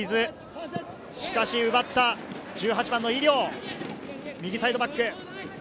しかし奪った１８番の井料、右サイドバック。